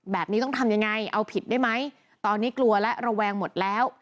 แบบนี้ต้องทำยังไงเอาผิดได้ไหมตอนนี้กลัวและระแวงหมดแล้ว